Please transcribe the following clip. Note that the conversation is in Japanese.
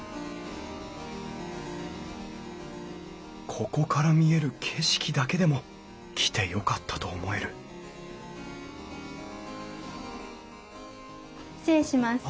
ここから見える景色だけでも来てよかったと思える失礼します。